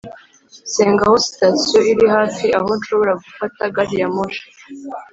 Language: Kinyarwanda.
'senga, aho sitasiyo iri hafi aho nshobora gufata gari ya moshi?'.